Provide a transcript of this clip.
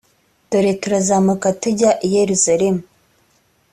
dore turazamuka tujya i yerusalemu